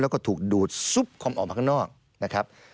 แล้วก็ถูกดูดซุปคอมออกมาข้างนอกนะครับ